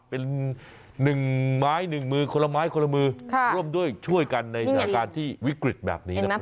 เป็น๑ไม้๑มือคนละไม้คนละมือร่วมด้วยช่วยกันในสถานการณ์ที่วิกฤตแบบนี้นะครับ